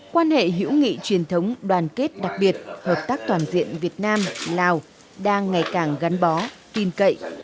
quan hệ hữu nghị truyền thống đoàn kết đặc biệt hợp tác toàn diện việt nam lào đang ngày càng gắn bó tin cậy